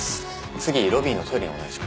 次ロビーのトイレをお願いします。